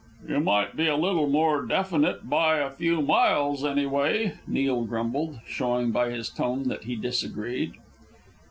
"You might be a little more definite by a few miles, anyway," Neil grumbled, showing by his tone that he disagreed.